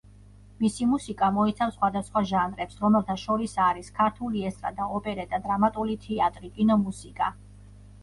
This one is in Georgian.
მისი მუსიკა მოიცავს სხვადასხვა ჟანრებს, რომელთა შორის არის: ქართული ესტრადა, ოპერეტა, დრამატული თეატრი, კინომუსიკა.